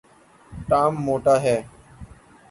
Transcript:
Tom موٹا ہے